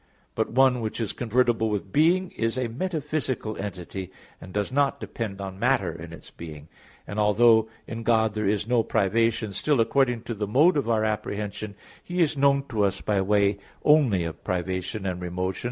But "one" which is convertible with being is a metaphysical entity and does not depend on matter in its being. And although in God there is no privation, still, according to the mode of our apprehension, He is known to us by way only of privation and remotion.